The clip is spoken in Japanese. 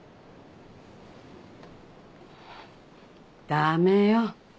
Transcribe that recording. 駄目よ。